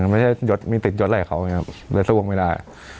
ไม่ใช่ยดมีติดยดอะไรของเขาอย่างเงี้ยครับเลยสู้ผมไม่ได้